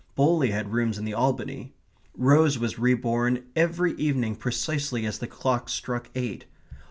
Bowley had rooms in the Albany. Rose was re born every evening precisely as the clock struck eight.